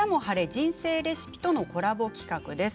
人生レシピ」とのコラボ企画です。